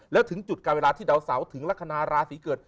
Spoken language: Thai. แล้วถึงจุดการเวลาที่ดาวเสาร์ถึงลักษณะราศีเกิด